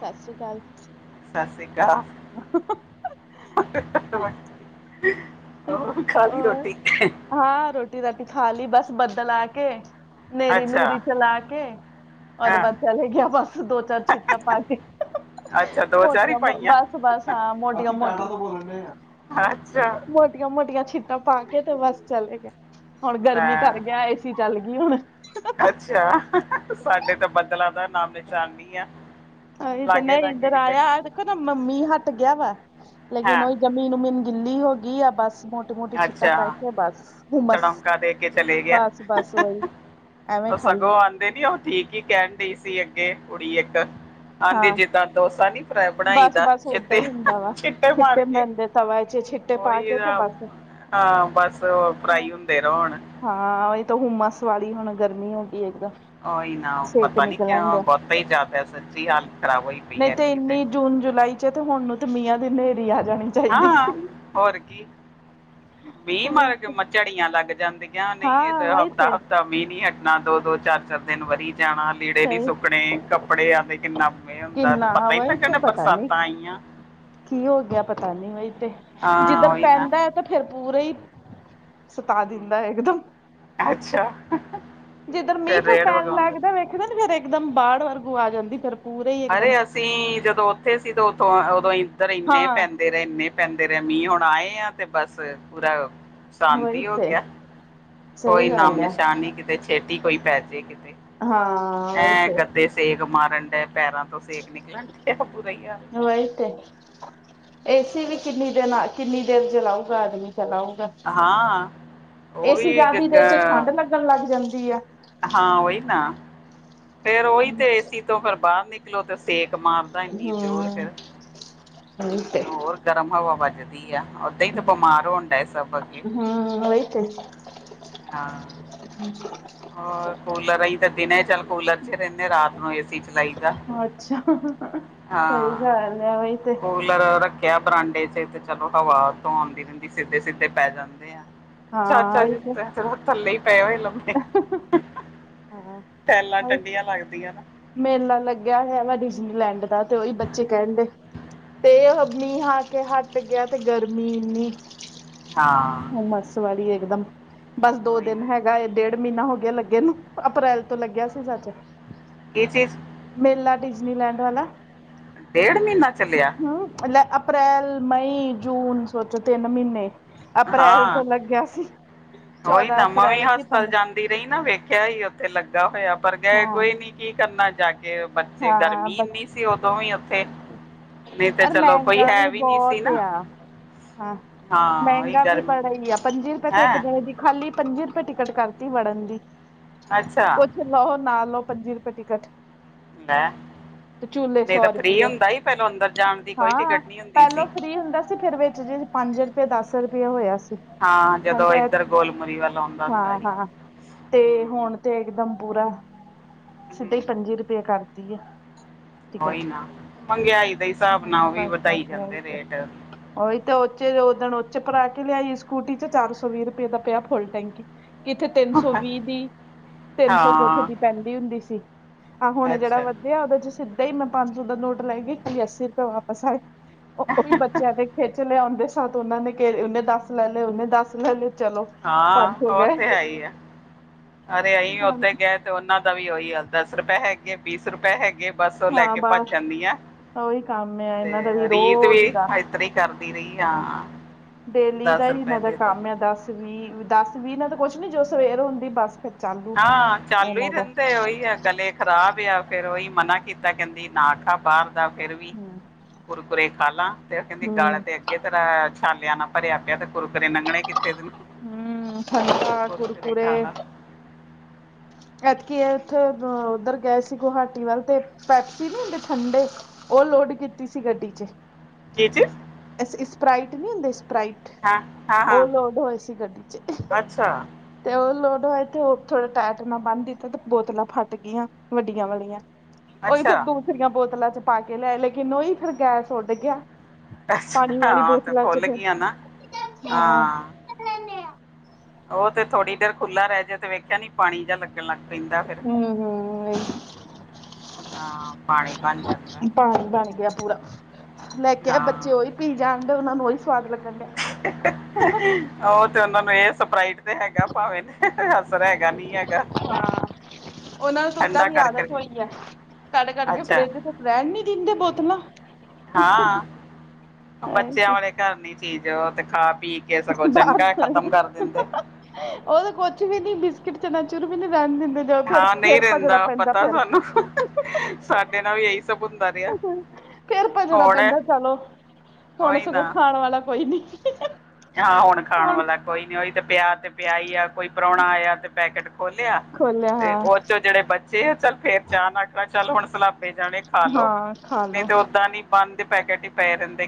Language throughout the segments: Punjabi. ਸਤਿ ਸ੍ਰੀ ਅਕਾਲ। ਸਤਿ ਸ਼੍ਰੀ ਅਕਾਲ। ਹਾ, ਹਾ, ਹਾ ਹੋਰ ਖਾਲੀ ਔਰ ਰੋਟੀ। ਹਾਂ ਰੋਟੀ ਰਾਟੀ ਖਾ ਲਈ ਬਸ ਬੱਦਲ ਆ ਕੇ ਹਨੇਰੀ ਅੱਛਾ ਨੂਰੀ ਚਲਾ ਕੇ। ਔ ਤੇ ਹਾਂ ਬਸ ਚਲੇ ਗਿਆ ਬਸ ਦੋ-ਚਾਰ ਛਿੱਟਾ ਪਾ ਕੇ ਹ-ਹ-ਹ। ਅੱਛਾ ਦੋ ਚਾਰ ਈ ਪਾਈਆਂ। ਬਸ ਹਾਂ ਮੋਟੀਆਂ ਮੋਟੀਆਂ। ਅੱਛਾ। ਮੋਟੀਆਂ-ਮੋਟੀਆਂ ਛਿੱਟਾਂ ਪਾ ਕੇ ਤੇ ਬਸ ਚਲੇ ਗਏ ਹੁਣ ਗਰਮੀ ਕਰ ਲੈ ਗਿਆ ਏ। ਏਸੀ ਚੱਲ ਗਈ ਹੁਣ। ਅੱਛਾ ਸਾਡੇ ਤਾਂ ਬਦਲਾਂ ਦਾ ਨਾਮ ਨਿਸ਼ਾਨ ਨਹੀਂ ਆ। ਓਏ ਤਨੇ ਲਾਗੇ ਲਾਗੇ ਇੱਧਰ ਕਿਤੇ ਆਇਆ। ਨੀ। ਦੇਖੋ ਨਾ ਮ ਮੀਂਹ ਹੱਟ ਗਿਆ ਵਾ ਲੇਕਿਨ ਹਾਂ ਉਹੀ ਜਮੀਨ ਉਮੀਨ ਗਿੱਲੀ ਹੋ ਗਈ ਆ ਬਸ ਮੋ। ਛੋਟੀ ਮੋਟੀ ਛਿੱਟਾ ਅੱਛਾ ਪੈ ਕੇ ਬਸ ਹੁ ਮਸ ਤੜਮਕਾ ਦੇ ਕੇ ਚਲੇ ਗਿਆ ਬਸ-ਬਸ ਵਹੀ। ਐਵੇਂ ਖਾਲੀ। ਨੀ-ਨੀ ਉਹ ਠੀਕ ਹੀ ਕਹਿਣ ਡਈ ਸੀ ਅੱਗੇ ਕੁੜੀ ਇੱਕ ਆਉਂਦੀ ਹਾਂ ਜਿੱਦਾਂ ਡੋਸਾ ਨੀ। ਇਸ ਤਰਾਂ ਬਣਾਈ ਬਸ ਦਾ ਬਸ ਓਦਾਂ ਹੀ ਹੁੰਦਾ ਵਾ ਛਿੱਟੇ ਮਾਰ ਛਿੱਟੇ ਕੇ ਬਣਦੇ ਤਵਾ ਚ ਛਿੱਟੇ ਪਾ ਉਹੀ ਕੇ ਤੇ ਤਾਂ। ਬਸ ਹਾਂ ਬਸ ਫਰਾਈ ਹੁੰਦੇ ਹੋਣ। ਹਾਂ ਓਹੀ ਤਾਂ ਹੁਮਸ ਵਾਲੀ ਹੁਣ ਗਰਮੀ ਹੋ ਗਈ ਇੱਕ। ਓਹੀ ਨਾ ਪਤਾ ਨੀ ਕਿਉਂ ਵੱਧਦਾ ਹੀ ਜਾਦਾ ਸੱਚੀ ਹਾਲਤ ਖਰਾਬ ਹੋਈ ਪਈ ਹੈ ਐਤਕੀ ਤੇ। ਜੂਨ-ਜੁਲਾਈ ਚ ਤੇ ਹੁਣ ਨੂੰ ਤੇ ਮੀਹਾਂ ਦੀ ਹਨੇਰੀ ਆ ਜਾਣੀ। ਚਾਹੀਦੀ ਹਾਂ ਸੀ। ਹੋਰ ਕੀ ਵੀਹ ਮਾਰਚ ਝੜੀਆਂ ਲੱਗ ਜਾਂਦੀ। ਕਿਹਾ ਨਹੀਂ ਹਾਂ ਵਹੀ ਤੇ ਹਫ਼ਤਾ-ਹਫ਼ਤਾ ਮੀਂਹ ਨੀ ਹਟਣਾ ਦੋ-ਦੋ ਚਾਰ -ਚਾਰ ਦਿਨ ਵਰੀ। ਜਾਣਾ ਲੀੜੇ ਨੀ ਸਹੀ ਸੁੱਕਣੇ ਕੱਪੜੇ ਆ ਤੇ ਕਿੰਨਾ। ਏ ਹੁੰਦਾ ਤੇ ਕਿੰਨਾ ਪਤਾ ਹੀ ਵਹੀ ਲੱਗਣ ਤੇ ਦਾ ਪਤਾ ਨੀ ਬਰਸਾਤਾਂ ਆਈਆਂ। ਕੀ ਹੋ ਗਿਆ ਪਤਾ ਨੀ ਵਈ ਤੇ ਹਾਂ ਜਿੱਧਰ ਉਹੀ ਨਾ ਪੈਂਦਾ ਹੈ ਤੇ। ਫਿਰ ਪੂਰੇ ਹੀ ਸਤਾ ਹਮ, ਦਿੰਦਾ ਇੱਕਦਮ। ਅੱਛਾ। ਜਿੱਧਰ ਮੀਂਹ ਫਿਰ ਰੇੜ ਪੈਣ ਵਗਾਉਂਦੇ ਲੱਗਦਾ ਵੇਖਦੇ ਨ ਫੇਰ ਇੱਕਦਮ ਬਾੜ ਵਰਗੂ ਆ ਜਾਂਦੀ ਫਿਰ। ਪੂਰੇ ਹੀ ਅਰੇ ਇੱਕਦਮ ਅਸੀਂ ਜਦੋਂ ਉੱਥੇ ਸੀ ਤਾਂ ਉਥੋਂ ਉਦੋਂ ਇੱਧਰ ਇੰਨੇ ਹਾਂ ਪੈਂਦੇ। ਫੇਰ ਇੰਨੇ ਪੈਂਦੇ ਰਹੇ ਮੀਂਹ ਹੁਣ ਆਏ ਆ ਤੇ ਬਸ ਪੂਰਾ। ਬੰਦ ਵਹੀ ਹੀ ਹੋ ਤੇ ਗਿਆ ਕੋਈ ਸਹੀ ਨਾਮ ਗੱਲ ਆ ਨਿਸ਼ਾਨੀ ਨਹੀ। ਤੇ ਛੇਤੀ ਕੋਈ ਪੈ ਜਾਏ ਕਿਤੇ ਹਾਂ ਵਹੀ ਐਂ ਗੱਦੇ ਸੇਕ ਮਾਰਨ ਡਏ ਪੈਰਾਂ ਤੋਂ। ਸੇਕ ਨਿਕਲਣ ਡਿਆ ਬੁਰਾ ਹੀ ਹਾਲ ਉਹੀ ਤੇ ਏਸੀ ਵੀ ਕਿੰਨੀ ਦਿਨ ਕਿੰਨੀ ਦੇਰ ਚਲਾਉਗਾ ਆਦਮੀ ਚਲਾਊਗਾ। ਹਾਂ ਉਹ ਵੀ ਕਿਦਾਂ। ਚੱਲਣ ਲੱਗ ਜਾਂਦੀ ਹੈ। ਹਾਂ ਉਹੀ ਤਾਂ। ਫੇਰ ਉਹੀ ਹਮ ਤੇ ਏਸੀ ਤੋਂ ਫਿਰ ਬਾਹਰ ਨਿਕਲੋ ਤੇ ਸੇਕ ਮਾਰਦਾ ਇੰਨੀ ਜ਼ੋਰ ਫਿਰ। ਉਹੀ ਤੇ। ਗਰਮ ਹਵਾ ਵੱਜਦੀ ਆ ਓਦਾਂ ਹੀ ਤਾਂ ਬਿਮਾਰ ਹੋਣ ਡਏ ਸਭ ਅੱਗੇ। ਹਮ ਓਹੀ ਤੇ। ਹਾਂ। ਹਮ। ਹੋਰ ਕੂਲਰ ਅਈ ਤਾਂ ਦਿਨ ਚੱਲ ਕੂਲਰ ਚ ਰਹਿੰਦੇ ਰਾਤ ਨੂੰ ਏ ਸੀ ਚਲਾਈਦਾ। ਅੱਛਾ, ਸਹੀ ਹਾਂ ਗੱਲ ਹੈ ਉਹੀ ਤੇ। ਕੂਲਰ ਰੱਖਿਆ ਬਰਾਂਡੇ ਚ ਤੇ ਚਲੋ ਹਵਾ ਉੱਤੋਂ ਆਉਂਦੀ ਰਹਿੰਦੀ ਸਿੱਧੇ-ਸਿੱਧੇ ਪੈ ਜਾਂਦੇ ਆ। ਹਾਂ ਚਾਰ-ਚਾਰ ਉਹੀ ਦਿਨ ਤੇ ਬੈਠੇ ਰਹੋ ਥੱਲੇ ਹੀ ਪਏ ਹੋਏ ਲੰਮੇ। [inaudible] ਹਾਂ ਟਾਈਲਾਂ, ਉਹੀ ਠੰਡੀਆਂ ਲੱਗਦੀਆਂ ਨਾ। ਮੇਲਾ ਲੱਗਿਆ ਹੋਇਆ ਵਾ, ਡਿਜ਼ਨੀਲੈਂਡ ਦਾ ਤੇ ਉਹੀ ਬੱਚੇ ਕਹਿੰਦੇ। ਤੇ ਉਹ ਮੀਂਹ ਆ ਕੇ ਹਟ ਗਿਆ, ਤੇ ਗਰਮੀ ਏ ਨੀ। ਹਾਂ। ਮੱਸ ਵਾਲੀ ਇੱਕਦਮ, ਬਸ ਦੋ ਉਹੀ ਦਿਨ ਨਾ ਹੈਗਾ ਏ। ਡੇਢ ਮਹੀਨਾ ਹੋ ਗਿਆ ਲੱਗੇ ਨੂੰ, ਅਪ੍ਰੈਲ ਤੋਂ ਲੱਗਿਆ ਸੀ ਸੱਚ। ਇਹ ਚ [inaudible] ਮੇਲਾ ਡਿਜ਼ਨੀਲੈਂਡ ਵਾਲਾ ਡੇਢ ਮਹੀਨਾ ਚੱਲਿਆ। ਲੇ ਅਪ੍ਰੈਲ, ਮਈ, ਜੂਨ, ਸੋਚੋ ਤਿੰਨ ਮਹੀਨੇ। ਅਪ੍ਰੈਲ ਹਾਂ ਤੋਂ ਲੱਗਿਆ ਸੀ। ਉਹੀ ਚੌਦਾਂ ਨਾ, ਮੈਂ ਅਪ੍ਰੈਲ ਕੀ ਹਸਪਤਾਲ ਪੰਦਰਾਂ ਜਾਂਦੀ ਰਹੀ, ਨਾ ਵੇਖਿਆ ਹੀ ਉੱਥੇ ਲੱਗਾ ਹੋਇਆ, ਪਰ ਗਏ ਹਾਂ ਕੋਈ ਨੀ। ਕੀ ਕਰਨਾ ਜਾ ਕੇ, ਬੱਚੇ ਹਾਂ ਗਰਮੀ ਬਸ ਇਨੀ ਸੀ ਉਦੋਂ ਵੀ ਉੱਥੇ ਮੈਂ ਕਿਹਾ, ਅਰ ਚਲੋ ਕੋਈ ਮਹਿੰਗਾ ਹੈ ਵੀ ਨਹੀਂ ਸੀ ਨਾ। ਆਹ ਹਾਂ ਉਹੀ ਮਹਿੰਗਾ ਵੀ ਬੜਾ ਗਰਮੀ ਹੀ ਆ, ਪੰਜੀ ਰੁਪਏ ਤੇ ਇੱਕ ਹੈਂ ਦਿਨ ਦੀ ਖਾਲੀ ਪੰਜੀ ਰੁਪਏ, ਟਿਕਟ ਕਰਤੀ ਵੜਨ ਦੀ। ਅੱਛਾ। ਕੁਛ ਲਓ ਹੁਣ ਨਾ, ਲਓ ਪੰਜੀ ਰੁਪਏ ਟਿਕਟ। ਲੈ ਤੇ ਝੂਲੇ ਨਹੀਂ ਸੌ ਤਾਂ, ਫ੍ਰਰੀ ਰੁਪਈਏ ਹੁੰਦਾ ਸੀ ਪਹਿਲੋਂ ਅੰਦਰ ਜਾਣ ਦੀ ਕੋਈ ਹਾਂ ਟਿਕਟ, ਨਹੀਂ ਹੁੰਦੀ ਸੀ। ਪਹਿਲੋਂ ਫ੍ਰਰੀ ਹੁੰਦਾ ਫਿਰ ਵਿੱਚ ਜਿਹਾ, ਪੰਜ ਰੁਪਏ ਦਸ ਰੁਪਇਆ ਹੋਇਆ ਸੀ। ਹਾਂ ਹੁਣ ਜਦੋਂ ਤੇ ਇੱਧਰ, ਗੋਲਮੁਰੀ ਵੱਲ ਆਉਂਦਾ ਹੁੰਦਾ ਹਾਂ ਸੀ। ਹਾਂ ਤੇ ਹੂੰ ਹੁਣ ਤੇ, ਇਕਦਮ ਪੂਰਾ ਸਿੱਧਾ ਹੀ ਪੰਜੀ ਹੂੰ ਰੁਪਏ, ਕਰ ਵਧੀਆ। ਉਹੀ ਨਾ, ਮਹਿੰਗਾਈ ਦੇ ਹਿਸਾਬ ਨਾਲ, ਹਮ, ਉਹ ਵੀ ਬਸ ਵਧਾਈ ਬਸ ਉਹੀ ਜਾਂਦੇ ਤੇ ਰੇਟ। ਉਹੀ ਤਾਂ, ਉੱਦੇ ਦਿਣ ਉੱਚੇ ਭਰਾ ਕੇ ਲਿਆਈ ਸਕੂਟੀ ਚ ਚਾਰ ਸੌ ਵੀਹ ਰੁਪਏ ਦਾ, ਪਿਆ ਫੁੱਲ ਟੈਂਕੀ ਕਿੱਥੇ ਤਿੰਨ ਸੌ ਵੀਹ ਦੀ, ਤਿੰਨ ਸੌ ਕੁਛ ਹਾਂ ਦੀ ਪੈਂਦੀ ਹੁੰਦੀ ਸੀ ਆਹ ਹੁਣ ਜਿਹੜਾ ਅੱਛਾ ਵਧੀਆ ਆ ਉਹਦੇ ਚ ਸਿੱਧਾ ਹੀ ਮੈਂ ਪੰਜ ਸੌ ਦਾ ਨੋਟ ਲੈ ਗਈ, ਖਾਲੀ ਅੱਸੀ ਰੁਪਏ ਵਾਪਸ ਆਈ। ਉਹ ਵੀ, ਬੱਚਿਆਂ ਦੇ ਖਿੱਚ ਲਿਆਉਂਦੇ। ਸਾਡੇ ਇਹਨਾਂ ਨੇ ਗੇਰੇ ਉਹਨੇ ਦੱਸ ਲੈ ਲਏ ਉਹਨੇ ਦੱਸ ਲੈ ਲਏ ਚਲੋ। ਪੰਜ ਸੌ ਹਾਂ ਉਹ ਗਏ ਤੇ ਹੈ ਹੀ ਆ, ਅਰੇ ਅਸੀਂ ਉੱਥੇ ਗਏ। ਤੇ ਉਹਨਾਂ ਦਾ ਵੀ, ਏਹੀ ਹੱਲ ਦਸ ਰੁਪਏ ਹੈਗੇ ਬਸ ਰੁਪਏ ਹੈਗੇ ਬਸ ਉਹ ਲੈ ਹਾਂ ਕੇ ਭੱਜ ਬਸ ਜਾਂਦੀ ਆ। ਉਹੀ ਕੰਮ ਆ ਤੇ ਇਹਨਾਂ ਦਾ ਵੀ ਰੀਤ ਵੀ, ਰੋਜ਼ ਦਾ ਇਸਏਤਰੀ ਕਰਦੀ ਰਹੀ ਹਾਂ ਆ। ਡੇਲੀ ਦਾ ਹੀ, ਇਹਨਾਂ ਦਾ ਕੰਮ ਆ, ਦਸ -ਵੀਹ ਦਸ -ਵੀਹ ਇਹਨਾਂ ਦਾ ਕੁਛ ਜੋ ਸਵੇਰ ਹੁੰਦੀ ਬਸ। ਫਿਰ ਚਾਲੂ ਹਾਂ ਚਾਲੂ ਹੀ, ਇਹਨਾਂ ਦਾ ਰਹਿੰਦੇ ਉਹੀ ਆ ਗਲੇ ਖਰਾਬ ਆ, ਫੇਿਰ ਉਹੀ ਮਨਾ ਕੀਤਾ ਕਹਿੰਦੀ, ਨਾ ਖਾ ਬਾਹਰ ਫਿਰ ਵੀ, ਹਮ ਕੁਰਕੁਰੇ ਖਾਾਲਾ ਤੇ ਕਹਿੰਦੇ ਗਾਲ ਹਮ ਤੇ ਅਗੇ ਤੇਰਾ, ਛਾਲਿਆ ਨਾਲ ਭਰਿਆ ਪਿਆ ਤੇ, ਕੁਰ -ਕਰਰੇ ਲੰਘਣੇ ਕਿਤੇ ਹਮ, ਠੰਡਾ ਖਾ ਕੁਰਕਰੇ ਲਾ ਐਦਕੀ ਉੱਥੇ ਉੱਧਰ ਗਏ ਸੀ, ਗੁਹਾਟੀ ਵੱਲ ਤੇ ਪੈਪਸੀ ਨਈ ਹੁੰਦੇ ਠੰਡੇ ਉਹ ਲੋਡ, ਕੀਤੀ ਸੀ ਗੱਡੀ ਚ ਕੀ ਚ ਸਪਰਾਾਈਟ, ਨਹੀਂ ਹੁੰਦੇ ਸਪ੍ਰਈਟ ਹਾਂ ਹਾਂ ਹਾਂ ਉਹ ਲੋਡ, ਹੋਏ ਸੀ ਗੱਡੀ ਚ ਅੱਛਾ ਤੇ ਉਹ ਲੋੜ ਹੈ, ਥੋੜਾ ਉਹ ਥੋੜੇ ਟਾਈਟ ਬੰਨ ਦਿੱਤਾ ਤੇ, ਬੋਤਲਾਂ ਫਟ ਗਈਆਂ ਵੱਡੀਆਂ ਵਾਲੀਆਂ। ਉਹੀ ਫੇਰ, ਅੱਛਾ ਦੂਸਰੀਆਂ ਬੋਤਲਾਂ ਚ ਪਾ ਕੇ, ਲੇਕਿਨ ਉਹੀ ਫਿਰ ਗੈਸ ਉੱਡ ਗਿਆ। ਅੱਛਾ ਪਾਣੀ ਵਾਲੀ ਹਾਂ, ਤੇ ਬੋਤਲਾਂ ਚ ਖੁੱਲ ਗਈਆਂ ਫਿਰ ਨਾ ਹਾਂ। ਉਹ ਤੇ ਥੋੜੀ ਦੇਰ, ਖੁੱਲਾ ਰਹਿ ਜਾਏ ਤੇ ਵੇਖਿਆ ਨਈ, ਪਾਣੀ ਜਾ ਲੱਗਣ ਲਗ ਪੈਦਾ ਫਿਰ ਹੂ ਹੂ ਹਾਂ, ਪਾਣੀ ਬਣ ਜਾਂਦਾ। ਪਾਣੀ ਬਣ ਗਿਆ ਪੂਰਾ, ਮੈਂ ਕਿਹਾ, ਬੱਚੇ ਹਾਂ ਉਹੀ ਪੀ ਜਾਣਦੇ ਉਹਨਾ ਨੂੰ ਉਹੀ ਸਵਾਦ ਲੱਗਣ ਡਿਆ। ਓ ਤੇ ਓਨਾਂ ਨੂੰ ਏ ਸਪਰਾਈਟ ਤੇ ਹੈਗਾ ਭਾਵੇਂ, ਅਸਰ ਹੈਗਾ ਨੀ ਹੈਗਾ। ਓਨਾਂ ਨੂੰ ਸੂਝਦਾ ਠੰਡਾ ਵੀ ਕਰ ਆਦਤ ਕਰਕੇ ਹੋਈ ਐ, ਕਾੱਢ-ਕਾੱਢ ਕੇ ਅੱਛਾ ਫਰਿੱਜ ਰੈਨ ਨੀ ਦਿੰਦੇ ਬੋਤਲਾਂ। ਹਾਂ, ਬੱਚੇਆਂ ਵਾਲੇ ਘਾਰ ਦੀ ਚੀਜ ਐ, ਓ ਤੇ ਖਾ ਪੀ ਕੇ ਸਗੋਂ ਚੰਗਾ, ਖਤਮ ਕਾਰ ਦਿੰਦੇ। ਓ ਤੇ ਕੁੱਛ ਵੀ ਨੀ ਬਿਸਕਿਟ ਚਨਾਚੁਰ ਵੀ ਨੀ ਰੈਨ ਦਿੰਦੇ। ਜਦੋਂ ਫੇਰ, ਹਾਂ ਨਹੀਂ ਫੇਰ ਭਜਣਾ ਰਹਿੰਦਾ ਪੈਂਦਾ ਪਤਾ ਫੇਰ। [inaudible] ਸਾਨੂੰ ਸਾਡੇ ਨਾਲ ਵੀ ਇਹੀ ਸਭ ਹੁੰਦਾ ਰਿਹਾ ਫੇਰ ਭੱਜਣਾ ਹੁਣ ਪੈਂਦਾ ਚਲੋ, ਹੁਣ ਉਹੀ ਸਗੋਂ ਨਾ ਖਾਣ ਵਾਲਾ ਕੋਈ ਨੀ। [inaudible] ਹਾਂ ਹੁਣ ਖਾਣ ਵਾਲਾ ਕੋਈ ਨੀ, ਓਈ ਤੇ ਪੇਆ ਤੇ ਪੇਆ ਈ ਆ, ਕੋਈ ਪ੍ਰੌਣਾ ਆਏਆ ਤੇ ਪੈਕੇਟ ਖੋਲਿਆ, ਖੋਲਿਆ ਤੇ ਹਾਂ ਓ ਚੋਂ ਜੇੜੇ ਬਚੇ ਚੱਲ ਫੇਰ ਚਾਅ ਨਾਲ, ਚੱਲ ਹੁਣ ਸਲਾਬੇ ਜਾਣੇ। ਖਾਲੋ ਹਾਂ ਖਾ ਨੀ ਲੋ ਤੇ ਓਦਾਂ ਨੀ ਬਾਂਦ ਦੇ ਪੈਕੇਟ ਈ ਪਏ ਰੈਂਦੇ।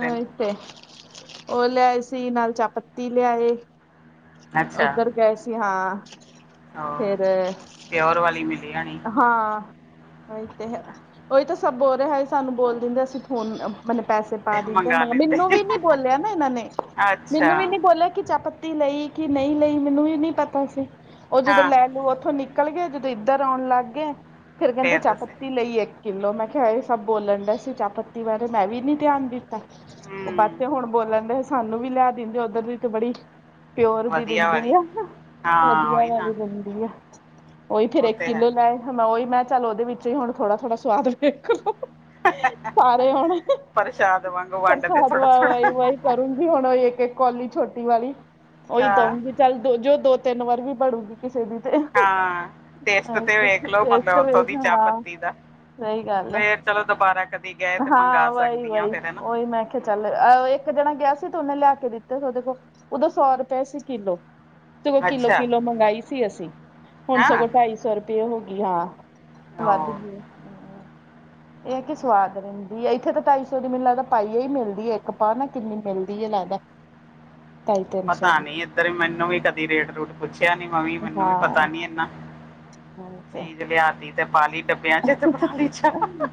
ਓਈ ਤੇ, ਓ ਲੇਆਏ ਸੀ ਨਾਲ ਚਾਅਪੱਤੀ ਲਿਆਏ ਅੱਛਾ ਓਦੱਰ ਗਏ ਸੀ ਹਾਂ, ਫੇਰ ਉਹ ਪਿਓਰ ਵਾਲੀ ਮਿਲੀ ਯਾਣੀ। ਹਾਂ। ਓਈ ਤੇ, ਓਈ ਤੇ ਸਬ ਬੋਲ ਰੇ, ਹਾਏ ਸਾਨੂੰ ਬੋਲ ਦਿੰਦੇ ਅਸੀ ਫੋਨ ਮ ਮਨੇ ਪੈਸੇ ਪਾ ਦਿੰਦੇ ਮੰਗਾ ਮ, ਲੈਂਦੇ ਮਿਨੂੰ ਵੀ ਨੀ ਬੋਲੇਆ ਨਾ ਇਨਾਂ ਨੇ, ਅੱਛਾ ਮਿਨੂੰ ਵੀ ਨੀ ਬੋਲੇਆ ਕਿ ਚਾਅਪਤ ਤੀ ਲਈ ਕਿ ਨਹੀ ਲਈ, ਮੈਨੂੰ ਵੀ ਨੀ ਪਤਾ ਸੀ, ਓ ਜਦੋਂ ਹਾਂ ਲੈਨੂ ਓਥੋਂ ਨਿਕਲ ਗਏ ਜਦੋਂ ਇਦੱਰ ਲੌਨ ਲਾੱਗ ਗੇ, ਫੇਰ ਕੈਂਦੇ ਚਾਅ- ਪੱਤੀ ਲਈ ਏ। ਕਿਲੋ ਮੈਂ ਕੇਆ ਏ ਸਬ ਬੋਲਨ ਡਏ ਸੀ ਚਾਅ ਪੱਤੀ ਬਾਰੇ, ਮੈਂ ਵੀ ਨੀ ਧੇਆਨ ਦਿੱਤਾ। ਹੂੰ ਬਾਚੇ ਹੁਨ ਬੋਲਨ ਡਏ, ਸਾਨੂੰ ਵੀ ਲੇਆ ਦਿੰਦੇ ਓਧੱਰ ਦੀ ਤੇ ਬੜੀ ਪਿਓਰ ਦੀ ਵਧੀਆ ਦਿੰਦੀ ਵਾਲੀ ਆ ਨਾ, ਹਾਂ ਵਦੀਆ ਉਹੀ ਵਾਲੀ ਨਾ ਹੂੰਦੀ ਆ, ਓ ਇਥੇ ਉਹ ਦੇਕ ਤੇ ਹੈ [unintelligible] ਓਈ ਮੈਂ ਚੱਲ ਓਦੇ ਵਿੱਚੋ ਈ ਹੁਣ ਥੋੜਾ-ਥੋੜਾ ਸਵਾਦ ਵੇਖ ਲੋ। [inaudible] ਸਾਰੇ ਹੁਣ [inaudible] ਪ੍ਰਸ਼ਾਦ ਵਾਂਗੂ ਵੰਡਦੇ ਪ੍ਰਸਾਦ ਥੋੜਾ ਵਾ ਥੋੜਾ ਵਈ-ਵਈ। ਕਰੂੰਗੀ ਹੁਣ ਓਈ ਏਕ-ਏਕ ਕੋਲੀ ਛੋਟੀ ਵਾਲੀ ਓਈ ਹਾਂ ਦਊਂਗੀ। ਚੱਲ ਦੋ ਜੋ, ਦੋ-ਤੇਨ ਵਾਰ ਵੀ ਬੜੂਗੀ ਕਿਸੇ ਦੀ ਤੇ। ਹਾਂ। ਟੇਸਟ ਤੇ ਵੇਖ ਲੋ ਟੇਸਟ ਮਤਲਬ ਓਥੋ ਵੇਖ ਦੀ ਹਾਂ ਚਾਅ-ਪੱਤੀ ਦਾ, ਸਹੀ ਗੱਲ ਹੈ ਫੇਰ ਚਲੋ ਦੋਬਾਰਾ ਕਦੀ ਗਏ ਤੇ ਮੰਗਵਾ ਹਾਂ, ਸਕਦੀ ਆ ਵਈ-ਵਈ ਫੇਰ ਹਨਾ ਓਈ ਮੈਂ ਖੇ ਚੱਲ ਆ ਏਕ ਜਣਾ ਗੇਆ ਸੀ ਤੇ ਉਨੇ ਲੇਆ ਕੇ ਦਿੱਤੇਸ ਓਦੇ ਕੋ, ਉਦੋਂ ਸੌ ਰੁਪਏ ਸੀ ਕਿਲੋ। ਸਗੋਂ ਅੱਛਾ ਕਿੱਲੋ-ਕਿੱਲੋ ਮੰਗਾਈ ਸੀ ਅਸੀ, ਹੁਣ ਹਾਂ ਸਗੋਂ ਢਾਈ ਸੌ ਰੁਪਏ ਹੋਗੀ, ਹਾ। ਵਾੱਧ ਉਹ ਗੀ, ਹੂੰ ਏ ਕਿ ਸਵਾਦ ਅੱਛਾ ਏਂਦੀ ਇੱਥੇ ਤੇ ਢਾਈ ਸੌ ਦੀ ਮੈਨ ਲਗਦਾ ਪਾਈਆ ਈ ਮਿਲਦੀ ਏ, ਇਕ ਪਾ ਨਾ ਕਿੰਨੀ ਮਿਲਦੀ ਏ ਲੈਦੈ ਪਤਾ ਨੀ ਇਧੱਰ ਮੈਨੂੰ ਵੀ ਰੇਟ-ਰੂਟ ਪੁੱਛੇਆ ਨੀ ਮੰਵੀ, ਮੈਨੂੰ ਵੀ ਪਤਾ ਹਾਂ ਨੀ ਏਨਾ, ਚੀਜ ਲੇਆਤੀ ਤੇ ਪਾਲੀ ਡੱਬੇਆਂ ਚ ਤੇ ਬਾਲੀ ਚ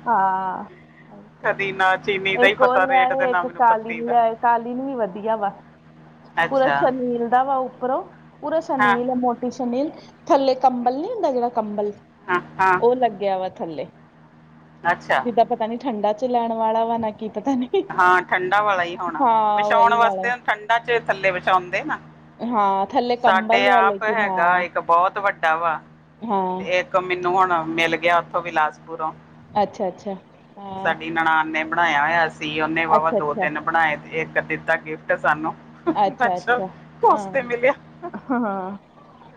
ਹਾਂ [inaudible] ਕਦੀ ਨਾ ਚੀਨੀ ਦਾ ਈ ਇੱਕ ਉਹ ਪਤਾ ਰੇਟ, ਤੇ ਲਿਆਏ ਨਾ ਇੱਕ ਮੈਨੂੰ ਪੱਤੀ ਕਾਲੀਨ ਦਾ ਲਿਆਏ ਕਾਲੀਨ ਵੀ ਵਧੀਆ ਵਾ, ਪੂਰਾ ਅੱਛਾ ਸ਼ਨੀਲ ਦਾ ਵਾ ਉਪਰੋਂ, ਪੂਰਾ ਹਾਂ ਸ਼ਨੀਲ ਮੋਟਾੱ ਟੀ ਸ਼ਨੀਲ, ਥੱਲੇ ਕੰਬਲ ਨੀ ਹੁੰਦਾ ਜੇੜਾ ਕੰਬਲ ਹਾਂ, ਹਾਂ। ਲੱਗੇਆ ਵਾ ਥੱਲੇ। ਅੱਛਾ। ਜਿੱਦਾਂ ਪਤਾ ਨੀ ਠੰਡਾ ਚ ਲੈਣ ਵਾਲਾ ਵਾ, ਨਾ ਕੀ ਪਤਾ ਨੀ। ਹਾਂ ਠੰਢਾ ਵਾਲਾ ਹੀ ਹੋਣਾ ਵਾ, ਹਾਂ ਵਿਛੌਣ ਉਹੀ ਵਾਲਾ ਵਾਸਤੇ ਠੰਡਾ ਚ ਥੱਲੇ ਵਿਛਾਉਂਦੇ ਨਾ। ਹਾਂ ਥੱਲੇ ਸਾਡੇ ਕੰਬਲ ਆ ਆਪ ਲੇਕਿਨ ਹਾਂ ਹੈਗਾ ਇੱਕ ਬੋਤ ਵੱਡਾ ਵਾ, ਹਾਂ ਤੇ ਕ ਮਿਨੂੰ ਹੋਣ ਮਿਲ ਗੇਆ ਉਥੋਂ ਵੀ ਲਾਸਟ ਬੂਰੋਂ, ਅੱਛਾ ਅੱਛਾ ਹਾਂ ਸਾਡੀ ਨਣਾਨ ਨੇ ਬਨਾਏਆ ਹੋਏਆ ਸੀ ਉਨੇ ਵਾਵਾ ਅੱਛਾ ਅੱਛਾ ਦੋ-ਤਿੰਨ ਬਣਾਏ, ਏਕੱ ਦਿੱਤਾ ਗਿਫਟ ਸਾਨੂੰ। ਅੱਛਾ, ਉਸ ਤੇ ਮਿਲੇਆ। ਹਾਂ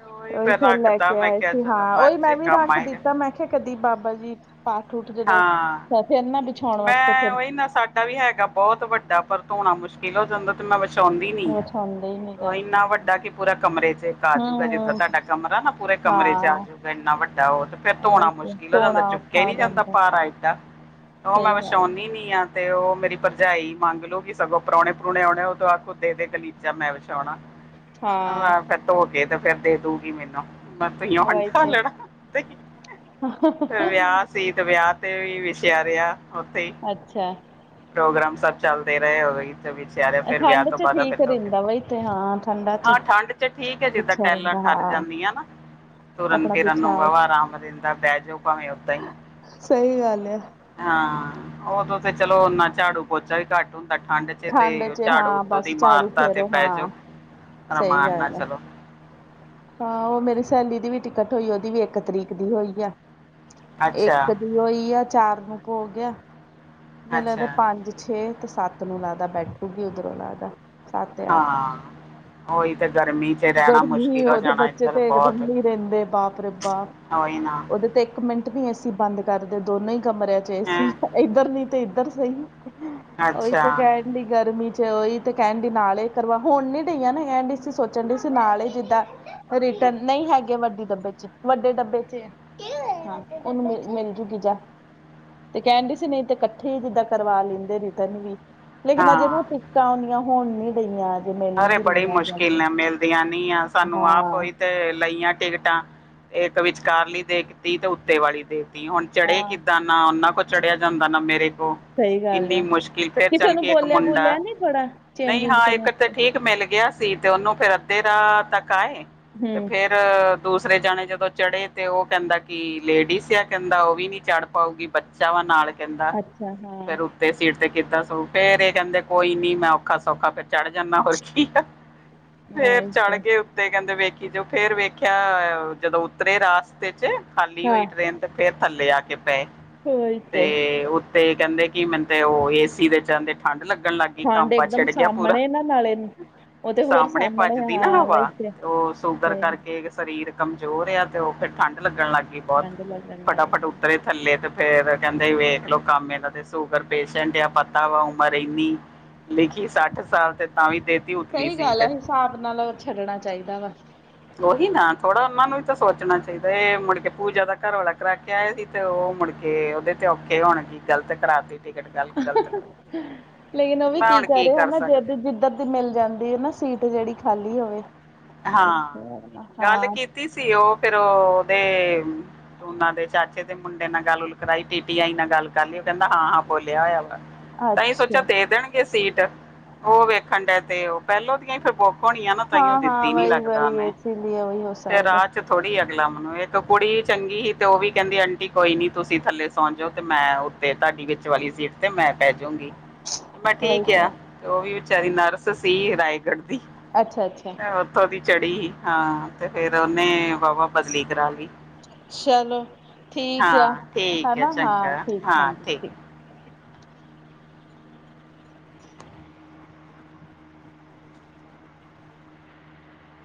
ਉਹੀ ਫਿਰ ਲੈ ਰੱਖਦਾ ਕੇ ਮੈਂ ਆਏ ਕਿਹਾ ਸੀ ਚਲੋ ਹਾਂ ਬਾਦ ਉਹੀ ਚ ਮੈਂ ਵੀ ਕੰਮ ਰੱਖ ਆਏਗਾ। ਦਿੱਤਾ ਮੈਂ ਕਿਹਾ ਕਦੀ ਬਾਬਾ ਜੀ ਪਾਠ ਉਠ ਜਦੋਂ ਹਾਂ ਤਾਂ ਫਿਰ ਨਾ ਵਿਛਾਉਣ ਵਾਸਤੇ ਮੈਂ ਫਿਰ ਉਹੀ ਨਾ ਸਾਡੇ। ਗਲੀਚਾ ਵੀ ਹੈਗਾ ਬਹੁਤ ਵੱਡਾ ਪਰ ਧੋਣਾ ਮੁਸ਼ਕਲ। ਪਿਲੋ ਤੇ ਮੈਂ ਵਿਛਾਉਂਦੀ ਨੀ ਵਿਛਾਉਂਦੇ ਹੀ ਨੀ ਉਹ ਕਰਕੇ ਇੰਨਾ ਹਮ ਵੱਡਾ ਕਿ ਪੂਰਾ ਕਮਰੇ ਚ। ਆਜੂਗਾ ਜਿੱਦਾਂ ਹਮ ਤੁਹਾਡਾ ਕਮਰਾ ਨਾ ਪੂਰੇ ਕਮਰੇ ਚ ਹਾਂ ਇੰਨਾ ਵੱਡਾ ਉਹ ਤੇ ਫਿਰ ਉਹੀ ਧੋਣਾ ਤੇ ਮੁਸ਼ਕਿਲ ਹੋ ਜਾਂਦਾ ਧੋਣਾ ਚੁਕ। ਕਹਿ ਔਖਾ ਹੋ ਨੀ ਜਾਂਦਾ ਭਾਰਾ ਏਡਾ ਉਹ ਸਹੀ ਮੈਂ ਗੱਲ ਵਿਛਾਉਂਦੀ ਨੀ ਆ। ਤੇ ਉਹ ਮੇਰੀ ਭਰਜਾਈ ਮੰਗ ਲੂਗੀ ਸਗੋਂ ਪ੍ਰਾਹੁਣੇ ਪਰੁਣੇ ਆਉਣੇ ਉਹ ਆਖੋ ਦੇ ਦੇਗਲੀਚਾ ਮੈਂ ਵਿਛਾਉਣਾ। ਹਾਂ ਫਿਰ ਧੋ ਕੇ ਤੇ ਫੇਰ ਦੇ ਦੂਗੀ ਮੈਨੂੰ। ਬਸ ਤੁਸੀ ਉਹੀ ਤੇ ਆਂਲੜਾ ਫਿਰ ਵਿਆਹ ਚ ਤੀਦ ਵਿਆਹ ਤੇ ਵੀ ਵਿਛਿਆ ਰਿਹਾ ਉੱਥੇ ਹੀ। ਅੱਛਾ ਪ੍ਰੋਗਰਾਮ ਸਭ ਚੱਲਦੇ ਹੀ ਰਹੇ ਉਦੋਂ ਹੀ। ਤਾਂ ਵਿਚਾਰੇ ਫਿਰ ਵਿਆਹ ਠੰਡ ਤੋਂ ਚ ਬਾਅਦ ਠੀਕ ਧੋ ਕੇ ਰਹਿੰਦਾ ਵਈ ਤੇ ਹਾਂ ਠੰਡਾ ਚ ਹਾਂ ਠੰਡ ਚ ਠੀਕ। ਜਿੱਦਾਂ ਬਿਛਿਆ ਟੈਲਾਂ ਰਹਿੰਦਾ ਠਰ ਹਾਂ ਜਾਂਦੀਆਂ ਨਾ। ਤੁਰਨ ਆਪਣਾ ਫਿਰਨ ਨੂੰ ਬਿਛਾਓ ਵਾਵਾ ਆਰਾਮ ਦਿੰਦਾ ਬਹਿ ਜਾਓ ਭਾਵੇਂ ਓਦਾਂ ਹੀ। ਸਹੀ ਗੱਲ ਹੈ। ਹਾਂ ਉਦੋਂ ਤੇ ਚਲੋ ਓਨਾ ਝਾੜੂ ਪੋਚਾ ਵੀ ਘੱਟ। ਹੁੰਦਾ ਠੰਡ ਚ ਤੇ 'ਚ ਝਾੜੂ ਹਾਂ ਉੱਤੋਂ ਬਸ ਦੀ ਝਾੜੂ ਮਾਰਤਾ ਤੇ ਫੇਰੋ ਬੈ ਜਾਓ। ਹਾਂ ਸਹੀ ਰਮਾਣ ਨਾਲ ਗੱਲ ਹੈ ਚਲੋ। ਹਾਂ ਉਹ ਮੇਰੀ ਤੇ ਹੈ। ਸਹੇਲੀ ਦੀ ਵੀ ਟਿਕਟ ਹੋਈ ਉਹਦੀ ਵੀ ਇੱਕ ਤਰੀਕ ਦੀ ਹੋਈ ਆ ਇੱਕ ਅੱਛਾ ਦੀ। ਹੋਈ ਆ ਚਾਰ ਨੂੰ ਭੋਗ ਆ। ਮੈਨੂੰ ਲੱਗਦਾ ਅੱਛਾ ਪੰਜ ਛੇ ਤੇ ਸੱਤ ਨੂੰ ਲੱਗਦਾ ਬੈਠੂਗੀ ਉੱਧਰੋਂ ਲੱਗਦਾ। ਸੱਤ ਤੇ ਅੱਠ। ਹਾਂ ਉਹੀ ਤੇ ਗਰਮੀ 'ਚ ਰਹਿਣਾ ਗਰਮੀ ਮੁਸ਼ਕਿਲ ਹੋ ਉਹਦੇ ਜਾਣਾ ਬੱਚੇ ਇੱਧਰ ਤੇ ਇਕ ਦਮ ਬਹੁਤ ਨੀ ਰਹਿੰਦੇ ਬਾਪ ਰੇ ਬਾਪ। ਉਹੀ ਨਾ। ਉਹਦੇ ਤੇ ਇੱਕ ਮਿੰਟ ਨੀ ਏਸੀ ਬੰਦ ਕਰਦੇ ਦੋਨੋ ਹੀ ਕਮਰਿਆਂ ਚ ਹੈ ਏਸੀ ਇੱਧਰ ਨਹੀਂ ਤੇ। ਉੱਧਰ ਸਹੀ ਉਹੀ ਅੱਛਾ ਤੇੇ ਕਹਿ ਰਹੀ। ਇੰਨੀ ਗਰਮੀ ਚ ਉਹੀ ਤੇ ਕਹਿਣ ਡੀ ਨਾਲੇ ਕਰਵਾ ਹੁਣ ਨੀ ਡਈਆਂ ਨਾ ਕਹਿਣ ਡੀ ਸੀ ਸੋਚਣ ਡੀ ਸੀ ਨਾਲ ਹੀ ਜਿੱਦਾਂ। ਰਿਟਰਨ ਨਹੀਂ ਹੈਗੇ ਵੱਡੇ ਡੱਬੇ ਵਿੱਚ। ਵੱਡੇ ਡੱਬੇ ਚ ਹੈ ਉਹਨੂੰ ਮਿਲ ਮਿਲਜੂਗੀ ਜਾ। ਤੇ ਕਹਿਣ ਡਈ ਸੀ ਨਹੀਂ ਤੇ ਇਕੱਠੇ। ਠੀਕ ਤੇ ਕਰਵਾ ਲੈਂਦੇ ਰਿਟਰਨ ਵੀ ਲੇਕਿਨ ਅਜੇ ਨਾ ਹਾਂ ਟਿਕਟਾ ਏਨੀਆਂ ਹੋਣ ਨੀ ਦਈਆਂ। ਅਰੇ ਬੜੀ ਮੁਸ਼ਕਿਲ ਨਾਲ ਮਿਲਦੀਆਂ ਨੀ ਆ ਸਾਨੂੰ ਆਪ ਹਾਂ ਉਹੀ। ਤੇ ਲਈਆਂ ਟਿਕਟਾਂ ਇਕ ਵਿਚਕਾਰਲੀ ਤੇ ਇਕ ਤੀਹ ਤੋਂ ਉੱਤੇ ਵਾਲੀ ਦੇ। ਤੀਹ ਹੁਣ ਚੜ੍ਹੇ ਹਾਂ ਕਿੱਦਾਂ ਨਾ ਉਹਨਾਂ ਕੋਲ ਚੜਿਆ ਜਾਂਦਾ ਨਾ ਮੇਰੇ ਕੋ। ਸਹੀ ਗੱਲ ਇੰਨੀ ਆ ਮੁਸ਼ਕਿਲ ਫੇਰ ਕਿਸੇ ਚੱਲ ਨੂੰ ਕੇ ਇਕ ਬੋਲਿਆ ਬੋਲਿਆ ਮੁੰਡਾ, ਨੀ ਥੋੜਾ ਚੇਂਜ ਨਈ ਚੂੰਜ ਹਾਂ ਇਹ। ਕਰਨ ਵਾਸਤੇ ਠੀਕ ਮਿਲ ਗਿਆ ਸੀ ਤੇ ਉਹਨੂੰ ਫੇਰ ਅੱਧੇ ਰਾਹ ਤੱਕ ਆਏ ਤੇ ਹਮ ਫੇਰ। ਤੇ ਦੂਸਰੇ ਜਾਣੇ ਜਦੋਂ ਚੜੇ ਤੇ ਉਹ ਕਹਿੰਦਾ ਕਿ ਲੇਡੀਸ ਆ ਕਹਿੰਦਾ ਉਹ ਵੀ ਨੀ ਚੜ ਪਾਊਗੀ। ਬੱਚਾ ਵਾਂ ਨਾਲ ਕਹਿੰਦਾ। ਅੱਛਾ ਫੇਰ ਹਾਂ ਉਹ ਤੇ ਸੀਟ ਤੇ ਕਿੱਦਾਂ ਸੋਊ। ਫੇਰ ਇਹ ਕਹਦੇ ਕੋਈ ਨੀ ਮੈਂ ਔਖਾ ਸੌਖਾ ਫੇਰ ਚੜ ਜਾਨਾ ਹੋਰ ਕੀ ਆ। ਫੇਰ ਉਹੀ ਚੜ ਤੇ ਗਏ। ਤੇ ਕਹਿੰਦੇ ਵੇਖੀ ਜਾਓ ਫੇਰ ਵੇਖਿਆ ਜਦੋਂ ਉਤਰੇ ਰਾਸਤੇ ਚ ਖਾਲੀ ਹਾਂ ਹੋਈ ਟ੍ਰੇਨ ਤੇ ਫੇਰ ਥੱਲੇ ਆ ਕੇ ਪਏ ਤੇ ਉ ਤੇ ਕਹਿੰਦੇ ਕਿ ਮੈਨੂੰ ਤੇ ਉਹ ਏਸੀ ਦੇ ਚਲਦੇ ਠੰਢ ਲੱਗਣ ਲੱਗ ਗਈ। ਠੰਡ ਕਾਂਬਾਂ ਇੱਕਦਮ ਛਿੜ ਗਿਆ ਪੂਰਾ। ਸਾਹਮਣੇ ਨਾ ਨਾਲੇ। ਉਹ ਤੇ ਹੋਰ ਸਾਹਮਣੇ ਭੱਜਦੀ ਨਾ ਹਾਂ ਵਹੀ ਹਵਾ ਤੇ ਉਹ ਸ਼ੁਗਰ ਤੇ ਕਰਕੇ। ਸਰੀਰ ਕਮਜ਼ੋਰ ਆ ਤੇ ਉਹ ਫਿਰ ਠੰਢ ਲੱਗਣ ਲੱਗ ਗਈ ਬਹੁਤ ਠੰਡ ਲੱਗਣ ਲੱਗ ਫਟਾਫਟ ਜਾਂਦੀ। ਉੱਤਰੇ। ਥੱਲੇ ਤੇ ਫੇਰ ਕਹਿੰਦੇ ਵੇਖਲੋ ਕੰਮ ਇਨਾਦੇ ਸ਼ੂਗਰ ਪੇਸ਼ੈਂਟ ਆ ਪਤਾ ਵੀ ਆ ਉਮਰ ਇੰਨੀ। ਲਿਖੀ ਸੱਠ ਸਾਲ। ਤੇ ਤਾਵੀ ਤੇਤੀ ਉਤ। ਸਈ ਗੱਲ ਹੈ ਹਿਸਾਬ ਨਾਲ ਛੱਡਣਾ ਚਾਹੀਦਾ ਵਾ। ਓਈ ਨਾ ਥੋੜ੍ਹਾ ਉਹਨਾਂ ਨੂੰ ਵੀ ਤਾਂ ਸੋਚਣਾ ਚਾਹੀਦਾ ਐ ਮੁੜ ਕੇ ਪੂਜਾ ਦਾ ਘਰਵਾਲਾ ਕਰੇ ਐਕ ਕੇਹ ਦਿੱਤਾ ਔ ਮੁੜ ਕੇ, ਓਦੇ ਤੇ ਔਖੇ ਹੋਣ ਕੀ ਗ਼ਲਤ ਕਰਾਤੀ? ਟਿਕਟ ਗਲ ਗਲਤ ਕਰਾ ਲੇਕਿਨ ਓ ਵੀ ਮੈਂ ਕੀ ਹੁਣ ਕਰੇ, ਹੈ ਕਰ ਨਾ, ਜੇ ਸਕਦੇ ਜੀ ਜਿੱਦ ਮਿਲ ਜਾਂਦੀ ਏ ਨਾ ਸੀਟ ਜੇੜ੍ਹੀ ਖਾਲੀ ਹੋਵੇ, ਹਾਂ। ਤਿਸੀ ਓ, ਫਿਰ ਓਦੇ ਉਨ੍ਹਾਂ ਦੇ ਚਾਚ ਕੈੜੇ ਮੁੰਡੇ ਨਾਲ ਗੱਲ ਗੁਲ ਕਰਾਈ ਟੀਟੀ ਆਈ ਨਾਲ ਗੱਲ ਕਰ ਲੀ ਓ ਕੈਂਦਾ ਹਾਂ-ਹਾਂ ਬੋਲਿਆ ਹੋਇਆ ਵਾ। ਤਾਈਂ ਸੋਚਿਆ ਅੱਛਾ। ਦੇ ਦੇਣਗੇ ਸੀਟ। ਓਹ, ਵੇਖਣ ਡੇ ਤੇ ਓ, ਪਹਿਲੋਂ ਦੀਆਂ ਈ ਫਿਰ ਬੁੱਕ ਹੋਣੀਆਂ ਨਾ ਤਾਇਓ ਦਿਨ। ਆ ਵਈ-ਵਈ, ਇਸੇ ਲਈ ਹੋਈ ਹੋ ਸਕਦਾ। ਫਿਰ ਥੋੜੀ ਅਗਲਾ ਮਨਾਉ, ਐ ਤੋ ਕੁੜੀ ਚੰਗੀ, ਤੇ ਓ ਵੀ ਕੈਂਦੀ ਆਂਟੀ ਕੋਈ ਨੀ ਤੁਸੀਂ ਥੱਲੇ ਸੌ ਜਾਓ ਤੇ ਮੈਂ ਓ ਤੇ ਤਾਅੜੀ ਵਿਚ ਵਾਲੀ ਸੀਟ ਤੇ ਮੈਂ ਪੈ ਜਾਊਗੀ। ਮੈਂ ਠੀਕ ਕਿਆ, ਤੇ ਓਹ ਵੀ ਵਿਚਾਰੀ ਨਰਸ ਸੀ ਰਾਏਗੜ੍ਹ ਦੀ। ਅੱਛਾ-ਅੱਛਾ ਮੈਂ ਓਥੋਂ ਦੀ ਚੜੀ, ਹਾਂ ਤੇ ਫਿਰ ਓਨੇ ਵਾਵਾ ਬਦਲੀ ਕਰਾਲੀ। ਚਲੋ ਠੀਕ ਆ ਹਾਂ, ਠੀਕ ਏ ਹਨਾ ਹਾਂ ਚੰਗਾ, ਠੀਕ ਹਾਂ ਹਾਂਜੀ ਠੀਕ।